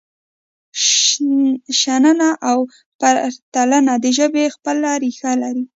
شننه او پرتلنه د ژبې خپل ریښه لري.